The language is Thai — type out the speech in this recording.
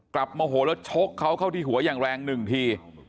กลับมาโหแล้วชกเขาเข้าที่หัวอย่างแรง๑ที